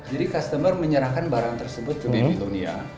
jadi customer menyerahkan barang tersebut ke babylonia